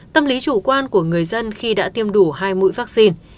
tâm lý chủ quan của người dân khi đã tiêm đủ hai mũi vaccine